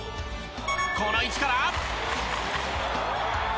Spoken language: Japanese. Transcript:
この位置から。